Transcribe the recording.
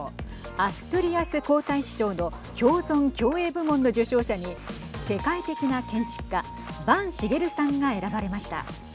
アストゥリアス皇太子賞の共存共栄部門の受賞者に世界的な建築家坂茂さんが選ばれました。